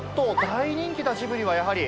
大人気だジブリはやはり。